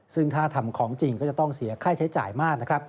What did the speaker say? ซึ่งถ้าทำของจริงก็จะต้องเสียค่าใช้จ่ายมากนะครับ